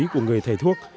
của người thầy thuốc